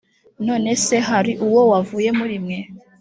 none se hari uwo wavuye muri mwe